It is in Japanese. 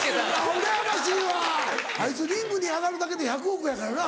うらやましいわあいつリングに上がるだけで１００億やからな。